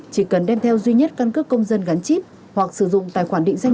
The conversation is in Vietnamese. chỉ cần đem theo duy nhất căn cước công dân gắn chip hoặc sử dụng tài khoản định danh